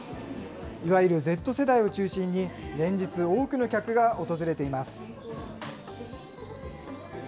いわゆるＺ世代を中心に、連日、多くの客が訪れています。